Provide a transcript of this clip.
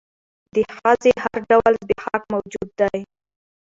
د ښځې هر ډول زبېښاک موجود دى.